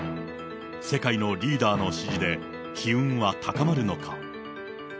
世界のリーダーの支持で、機運は高まるのか。